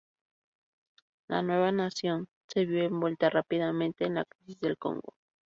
La nueva nación se vio envuelta rápidamente en la Crisis del Congo.